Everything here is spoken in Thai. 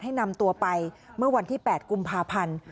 นำตัวไปเมื่อวันที่๘กุมภาพันธ์